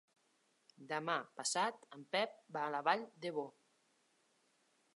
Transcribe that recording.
Demà passat en Pep va a la Vall d'Ebo.